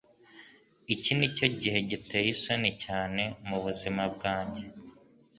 Iki nicyo gihe giteye isoni cyane mubuzima bwanjye.